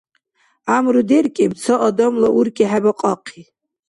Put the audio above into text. ГӀямру деркӀиб ца адамла уркӀи хӀебакьахъи.